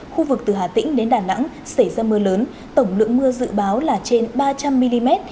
khu vực từ hà tĩnh đến đà nẵng xảy ra mưa lớn tổng lượng mưa dự báo là trên ba trăm linh mm